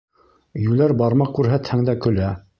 Йүләр бармаҡ күрһәтһәң дә көлә.